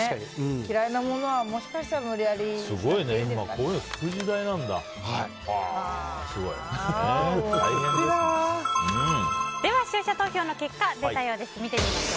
嫌いなものは、もしかしたらすごいねでは、視聴者投票の結果です。